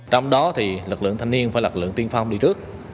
trong đó thì lực lượng thanh niên phải lực lượng tiên phong đi trước